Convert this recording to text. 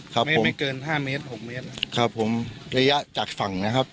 ครับไม่ไม่เกินห้าเมตรหกเมตรครับผมระยะจากฝั่งนะครับ